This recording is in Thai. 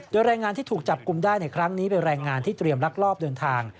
โดยแรงงานที่ถูกจับกลุ่มได้ในครั้งนี้เป็นแรงงานที่เตรียมลักลอบเดินทาง